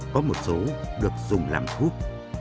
có một số được dùng làm thuốc